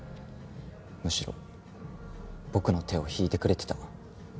むしろ僕の手を引いてくれてた。